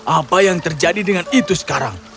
apa yang terjadi dengan itu sekarang